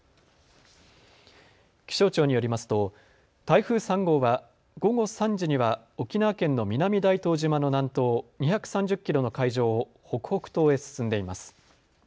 気象庁によりますと台風３号は午後３時には沖縄県の南大東島の南東２３０キロの海上を北北東へ進んでいます。